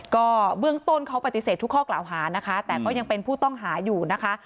ก็เบื้องต้นเขาปฏิเสธทุกข้อกล่าวหานะคะแต่ก็ยังเป็นผู้ต้องหาอยู่นะคะ